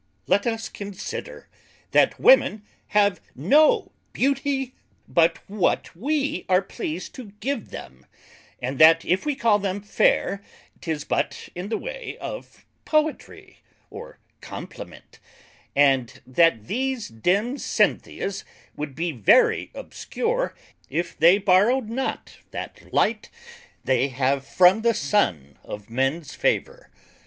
Let us consider, That Women have no beauty but what we are pleased to give them; and that if we call them fair, 'tis but in the way of Poetry or Complement: And that these dim Cynthia's would be very obscure, if they borrowed not that light they have from the Sun of mens favour.